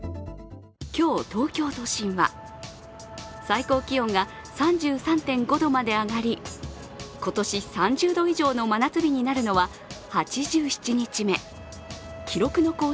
今日、東京都心は最高気温が３３．５度まで上がり今年３０度以上の真夏日になるのは８７日目。